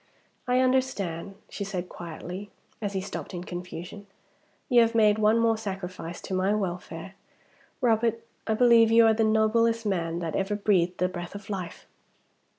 "I understand," she said quietly, as he stopped in confusion. "You have made one more sacrifice to my welfare. Robert! I believe you are the noblest man that ever breathed the breath of life!"